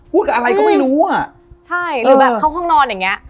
อะไรก็ไม่รู้อ่ะใช่หรือแบบเข้าห้องนอนอย่างเงี้